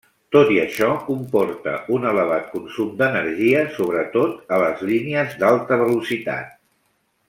Tot i això, comporta un elevat consum d'energia, sobretot a les línies d'alta velocitat.